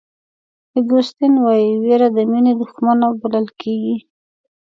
اګوستین وایي وېره د مینې دښمنه بلل کېږي.